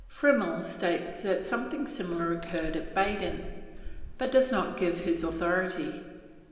Frimmel states that something similar occurred at Baden, but does not give his authority.